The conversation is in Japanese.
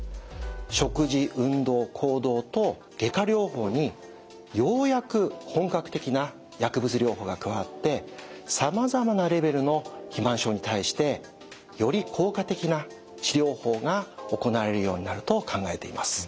食事運動行動と外科療法にようやく本格的な薬物療法が加わってさまざまなレベルの肥満症に対してより効果的な治療法が行われるようになると考えています。